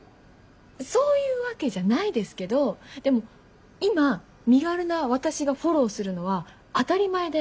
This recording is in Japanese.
そういうわけじゃないですけどでも今身軽な私がフォローするのは当たり前で。